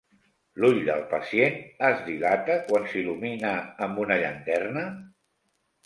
L'ull del pacient es dilata quan s'il·lumina amb una llanterna?